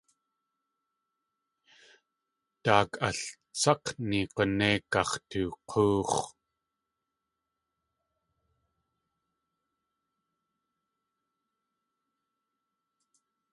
Daak altsák̲ni g̲unéi gax̲took̲óox̲.